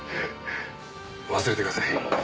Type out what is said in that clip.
忘れてください。